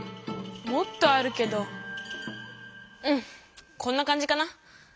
もっとあるけどうんこんなかんじかな。